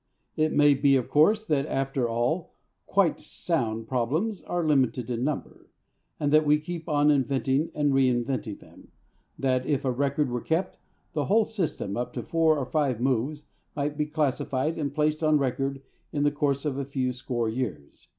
It may be, of course, that, after all, quite "sound" problems are limited in number, and that we keep on inventing and reinventing them; that, if a record were kept, the whole system, up to four or five moves, might be classified, and placed on record in the course of a few score years.